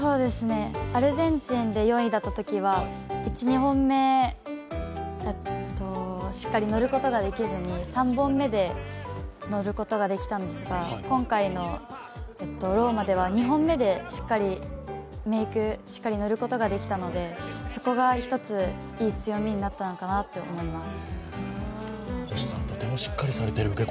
アルゼンチンで４位だったときは１２本目、しっかり乗ることができずに３本目で乗ることができたんですが、今回のローマでは２本目でしっかり乗ることができたので、そこがひとつ、いい強みになったのかなと思います。